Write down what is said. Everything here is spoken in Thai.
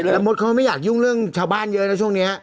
แล้วมดเขาไม่อยากยุ่งเรื่องชาวบ้านเยอะนะช่วงนี้